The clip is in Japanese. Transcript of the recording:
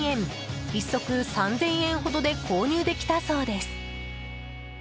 １足３０００円ほどで購入できたそうです。